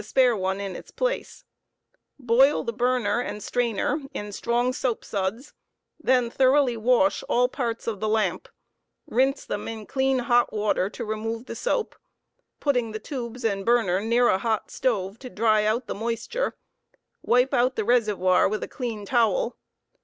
. spare one in its place* Boil the burner and strainer in strong soap suds, then thor oughly wash all parts of the lamp, rinse them in clean hot water to remove the soap, putting the tubes and burner near a hot stove to dry out the moisturej wipe out the v reservoir with a clean towel.